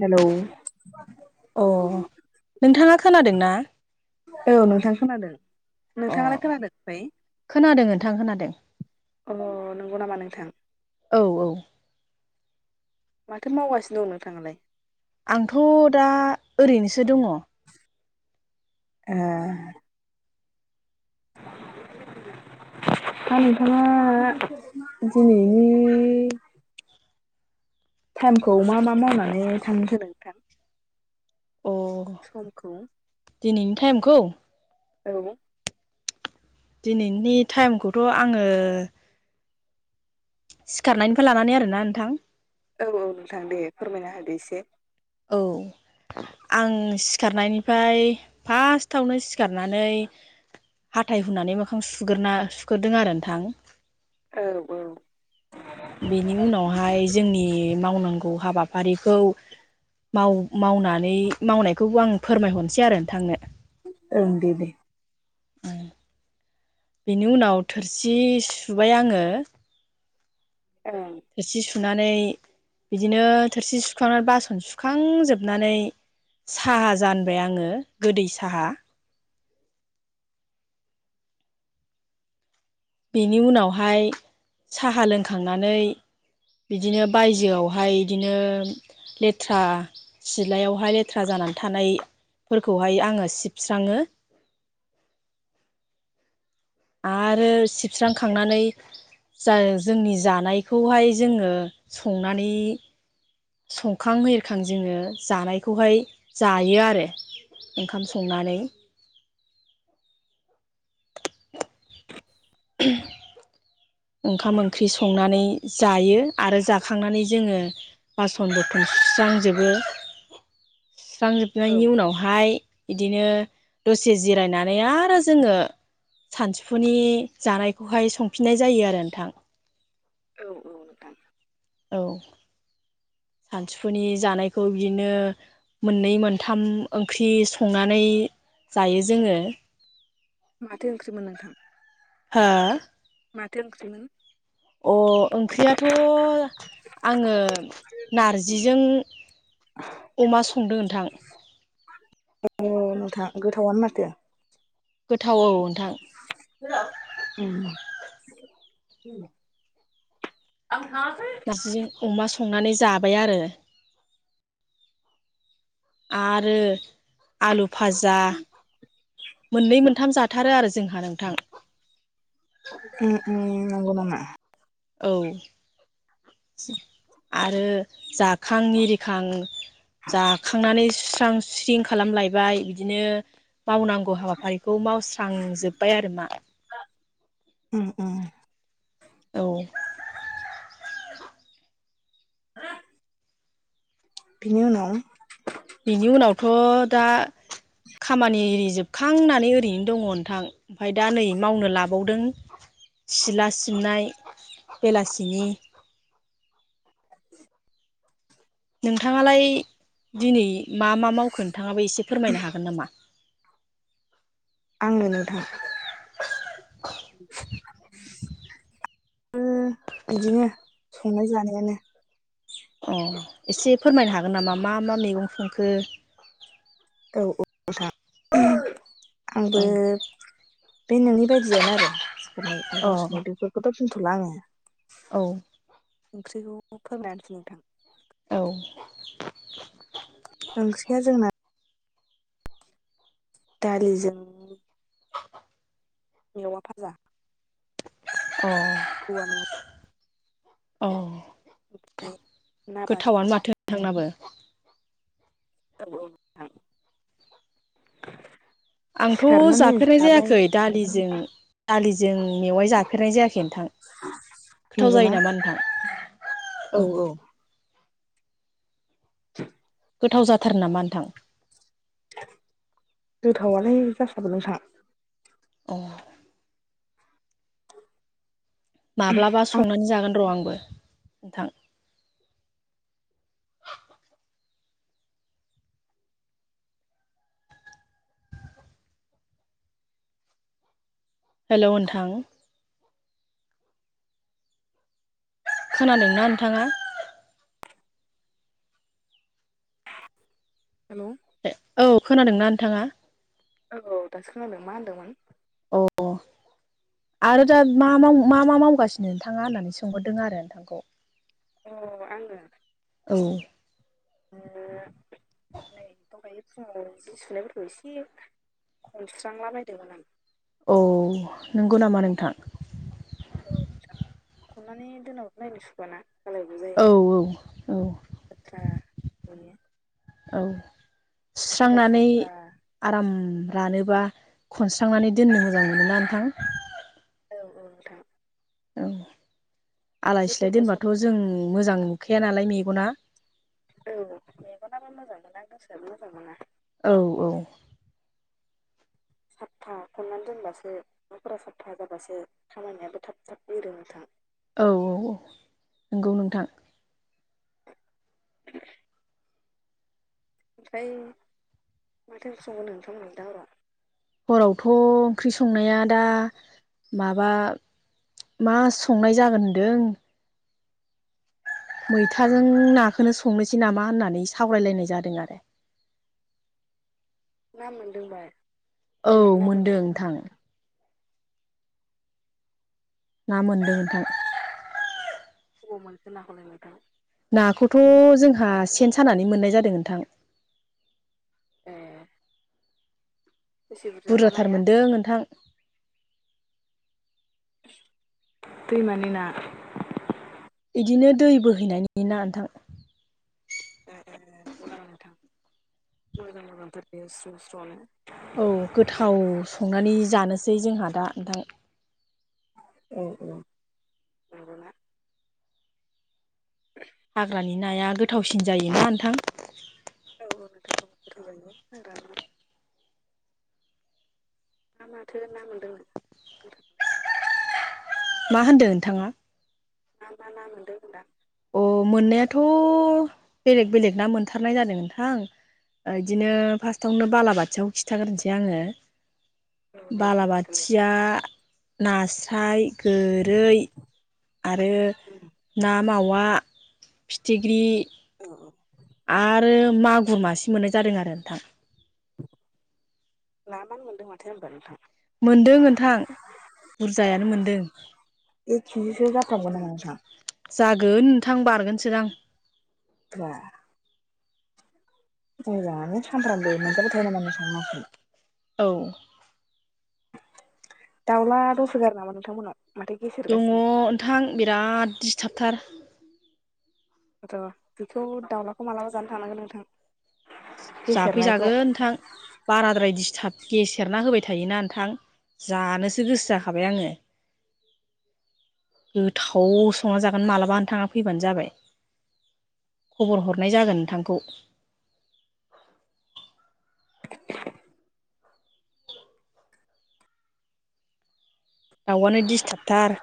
Hello. अ नोंथाङा खोनादों ना? औ नोंथां खोनादों अ नोंथाङालाय खोनादों आमफाय? खोनादों नोंथां खोनादों। अ नंगौ नामा नोंथां? औ औ माथो मावगासिनो दं नोंथाङालाय? आंथ' दा ओरैनोसो दङ। ए [inaudible] हा नोंथाङा दिनैनि टाइमखौ मा मा मावनानै थां होखो नोंथां? समखौ? दिनैनि टाइमखौ? औ दिनैनि टाइमखौथ' आङो सिखारनायनिफ्राय लानानै आरोना नोंथां औ औ नोंथां दे फोरमायना होदो एसे। औ आं सिखारनायनिफाय फार्स्टावनो सिखारनानै हाथाय हुनानै मोखां सुगोरना सुगोरदों आरो नोंथां औ औ बेनि उनावहाय जोंनि मावनांगौ हाबा फारिखौ माव-मावनानै मावनायखौबो आं फोरमायहनसै आरो नोंथांनो ओं दे दे बेनि उनाव थोरसि सुबाय आङो [inaudible] थोरसि सुनानै बिदिनो थोरसि सुखांनानै बासन सुखांजोबनानै साहा जानबाय आङो गोदै साहा बेनि उनावहाय साहा लोंखांनानै बिदिनो बायजोआवहाय इदिनो लेथ्रा सिलायावहाय लेथ्रा जानानै थानाय फोरखौहाय आङो सिबस्राङो [inaudible] आरो सिबस्रांखांनानै जा जोंनि जानायखौहाय जोङो संनानै संखां हिरिखां जोङो जानायखौहाय जायो आरो ओंखाम संनानै [inaudible] उमह ओंखाम ओंख्रि संनानै जायो आरो जाखांनानै जोङो बासन बथन सुज्रांजोबो [inaudible] औ सुस्रांजोबनायनि उनावहाय इदिनो दसे जिरायनानै आरो जोङो सानसोफुनि जानायखौहाय संफिननाय जायो आरो नोंथां औ औ नोंथां औ सानसुफुनि जानायखौ बिदिनो मोननै मोनथाम ओंख्रि संनानै जायो जोङो माथो ओंख्रिमोन नोंथां हा माथो ओंख्रिमोन अ ओंख्रियाथ' आङो नारजिजों अमा संदों ओनथां औ नोंथां गोथावनो माथो गोथाव औ नोंथां [unintelligible] आं थाङा नारजिजों अमा संनानै जाबाय आरो आरो आलु फाजा मोननै मोनथाम जाथारो आरो जोंहा नोंथां उम उम नंगौ नामा? औ आरो जाखां इरिखां जाखांनानै सुस्रां सुस्रिं खालामलायबाय बिदिनो मावनांगौ हाबाफारिखौ मावस्रांजोब्बाय आरो मा। उम उम औ [inaudible] बिनि उनाव बिनि उनावथ' दा [inaudible] खामानि जोबखां होननानै ओरैनो दङ नोंथां ओमफ्राय दा नै मावनो लाबावदों। सिला सिबनाय बेलासिनि नोंथाङालाय दिनै मा मा मावखो नोंथाङाबो एसे फोरमायनो हागोन नामा? आंनो नोंथां बिदिनो संनाय जानायानो अ एसे फोरमायनो हागोन नामा मा मा मैगं संखो औ औ नोंथां अ आंबो बे नोंनि बायदियानो आरो अ संनायाव सुनाय बेफोरखौथ' थलाङ [unintelligible] औ ओंख्रिखौ फोरमायानोसै नोंथां औ ओंख्रिया जोंना दालिजों मेवा फाजा अ औवा मेवा औ ना बाथोन गोथावनो माथो नोंथांनाबो। औ नोंथां आंथ' सिखारनानै जाफेरनाय जाबाय जायाखै दालिजों दालिजों आं मेवाय जाफेरनाय जायाखै नोंथां गोथाव नंगौना जायो नामा नोंथां? औ औ द [inaudible] गोथाव जाथारो नामा नोंथां? गोथावालाय जासाबो नोंथां। अ माब्लाबा संनानै जागोन र' आं नोंथां हेलौ नोंथां खोनादोंना नोंथाङा? हेलौ औ खोनादोंना नोंथाङा? औ दासो खोनादों मा होनदोंमोन अ आरो दा मा मा मा मावगासिनो नोंथाङा होननानै सोंहरदों आरो नोंथांखौ। अ आङो औ नै दगायो [unintelligible] फुङाव जि सुनायफोरखौ एसे खनस्रांला बायदोंमोन आं। औ नंगौ नामा नोंथां औ खननानै दोनाबो नायनो सुखुयाना गालाय गुजाय‌ औ औ औ लेथ्रा नुयो औ जिफोरा सुस्रांनानै साफा आराम रानोबा खनस्रांनानै दोननो मोजां मोनोना नोंथां औ औ नोंथां औ आलाय सिलाय जिफोरखौ साफ दोनबाथ' जों मोजां नुखाया नालाय मेगना औ मेगनाबो मोजां मोना गोसोआबो मोजां मोना औ औ सापफा खननानै दोनबासो न'फोरा साफा जाबासो खामानियाबो थाब थाब एरो नोंथां औ औ औ नंगौ नोंथां ओमफ्राय माथो ओंखामय सावगोन नोंथांमोनल दा हराव हरावथ' ओंख्रि संनाया दा माबा मा संनाय जागोन होनदों मैथाजों हराव नाखौनो संनोसै नामा होननानै सावरायलायनाय जादों आरो ना मोनदोंबाय औ मोनदों नोंथां ना मोनदों नोंथां बबाव मोनखो नाखौलाय नोंथां? नाखौथ' जोंहा सेन सानानै मोननाय जादों नोंथां ए बेसे बुरजाबा बुरजाथार नाया मोनदों नोंथां दैमानि ना बिदिनो दै बोहैनायनि ना नोंथां ए मोजां नोंथा मोजांथार बेयो स्र' स्र'नो औ गोथाव संनानै जानोसै जोंहा दा नोंथां औ औ हाग्रानि नाया गोथावसिन जायोना नोंथां औ नोंथा औ गोथाव जायोना हाग्रानिया मा माथो ना मोनदोंमोन नोंथां मा होनदों नोंथाङा मा मा ना मोनदों होनदां अ मोननायाथ' बेलेग बेलेग ना मोनथारनाय जादों नोंथां इदिनो फार्स्टआवनो बालाबाथियाखौ खिथाग्रोनोसै आंङो औ दे खिथालाय बालाबाथिया नास्राय गोरै आरो ना मावा फिथिख्रि औ आरो औ मागुर मासे मोननाय जादों आरो नोंथां ग्लामआमानो मोनदों माथो होमबा नोंथां मोनदों नोंथां बुरजायानो मोनदों एक केजिसो जाफ्रामगोन नामा नोंथां जागोन नोंथां बारगोनसोदां बा बुरजायानो सानफ्रोमबो मोनजाबाय थायो नामा नोंसा नाखौ? औ दाउला दंसोगारो नामा नोंथांमोनाव दङ नोंथां बिराद दिस्टाबथार र' बेखौ दाउलाखौ मालाबा जानो थांनांगोन नोंथां गेसेेरनायखौ जाफैजागोन नोंथां बाराद्राय दिस थाब गेसेरना होबाय थायोना नोंथां जानोसो गोसो जाखाबाय आंङो गोथाव संना जागोन मालाबा नोंथाङा फैबानो जाबाय। खबर हरनाय जागोन नोंथांखौ दाउआनो दिस्थाब थार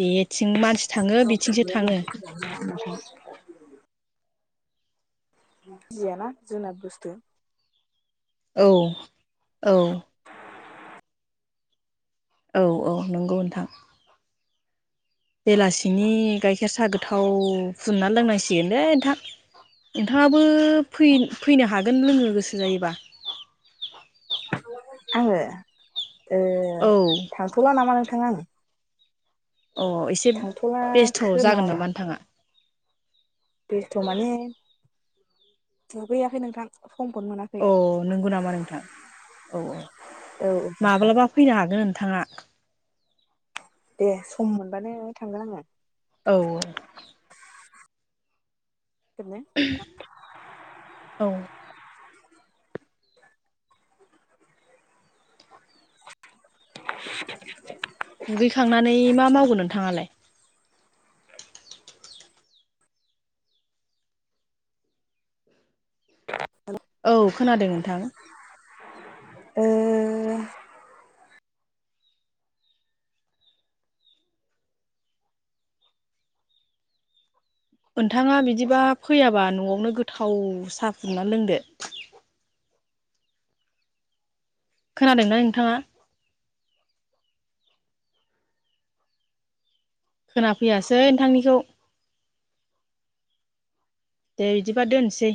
जेथिं मानसि थाङो बिथिंसो थाङो [unintelligible] गियाना जुनाद बुस्थु औ औ। औ औ नंगौ नोंथां। बेलासिनि गाइखेर साहा गोथाव फुदुंना लोंनांसिगोनलै नोंथां। नोंथाङाबो फैन फैनो हागोन लोंनो गोसो जायोबा। [inaudible] आङो ओ औ थांथ'ला नामा नोंथां आं। अ एसे थांथ'ला बेस्थ' खोमा जागोन नामा नोंथाङा। बेस्थ' माने दुगैयाखै नोंथां। समखौनो मोनाखै औ नंगौ नामा नोंथां औ औ औ औ माब्लाबा फैनो हागोन। थाङा। दे सम मोनबानो थांगोन आङो। औ औ। औ [unintelligible] [inaudible] दुगैखांनानै मा मावगोन नोंथाङालाय [inaudible] औ खोनादों नोंथां। ओ। नोंथाङा बिदिबा फैयाबा न'आवनो गोथाव साहा फुदुंना लोंदो खोनादोंना नोंथाङा। खोनाफैयासै नोंथांनिखौ। दे बिदिबा दोनसै।